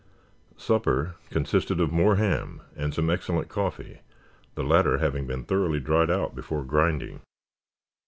Supper consisted of more ham and some excellent coffee, the latter having been thoroughly dried out before grinding.